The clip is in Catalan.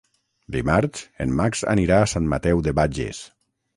Dimarts en Max anirà a Sant Mateu de Bages.